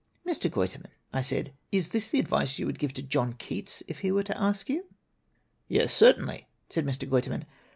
"Mr. Guiterman," I said, "is this the advice that you would give to John Keats if he were to ask you?" "Yes, certainly," said Mr. Guiterman.